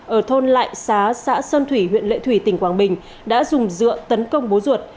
ở thôn lại xá xã sơn thủy huyện lệ thủy tỉnh quảng bình đã dùng dựa tấn công bố ruột